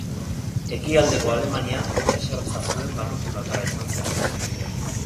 Ekialdeko Alemanian itsasertza zuen barruti bakarra izan zen.